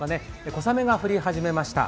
小雨が降り始めました。